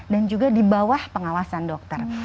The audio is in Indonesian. dan juga di bawah pengawasan dokter